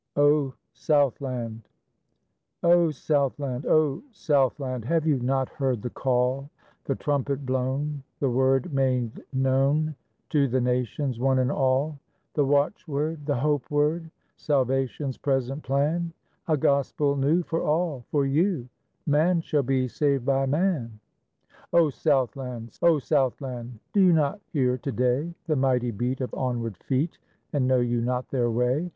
O SOUTHLAND! O Southland! O Southland! Have you not heard the call, The trumpet blown, the word made known To the nations, one and all? The watchword, the hope word, Salvation's present plan? A gospel new, for all for you: Man shall be saved by man. O Southland! O Southland! Do you not hear to day The mighty beat of onward feet, And know you not their way?